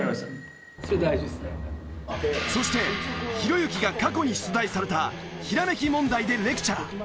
そしてひろゆきが過去に出題されたひらめき問題でレクチャー。